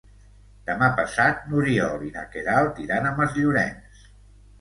Demà passat n'Oriol i na Queralt iran a Masllorenç.